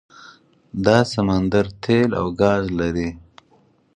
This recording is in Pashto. دا سمندر تیل او ګاز لري.